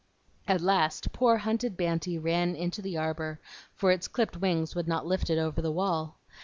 At last poor, hunted Banty ran into the arbor, for its clipped wings would not lift it over the wall.